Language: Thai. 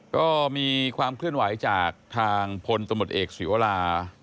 ก็มีความเคลื่อนไหวจากทางพลตำรวจเอกศิวรา